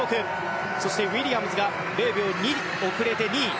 そしてウィリアムズが０秒２遅れて２位。